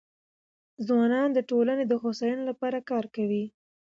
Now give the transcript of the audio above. ځوانان د ټولنې د هوساینې لپاره کار کوي.